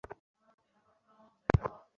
মধুসূদনের একান্ত জেদ নুরনগরে।